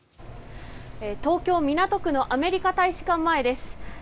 「東京・港区のアメリカ大使館前の交差点です」